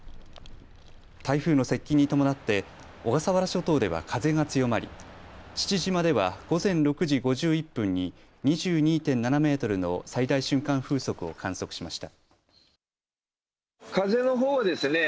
台風の接近に伴って小笠原諸島では風が強まり父島では午前６時５１分に２２．７メートルの最大瞬間風速を観測しました。